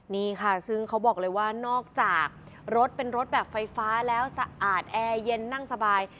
นี่ค่ะซึ่งเขาบอกเลยว่านอกจากรถเป็นรถแบบไฟฟ้าแล้วสะอาดแอร์เย็นนั่งสบาย